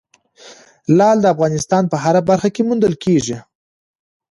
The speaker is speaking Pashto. لعل د افغانستان په هره برخه کې موندل کېږي.